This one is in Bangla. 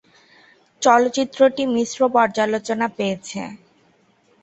চলচ্চিত্রটি মিশ্র পর্যালোচনা পেয়েছে।